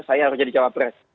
saya harus jadi cawapres